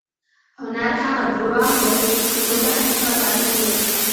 هنر هغه درواغ دي چې موږ ته حقیقت راپېژني.